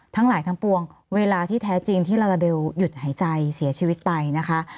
ทั้งหลายทั้งปวงเวลาที่แท้จริงที่ลาลาเบลหยุดหายใจเสียชีวิตไปนะคะ